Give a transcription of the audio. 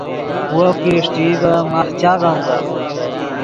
وف کہ اݰٹئی ڤے ماخ چاغم ڤے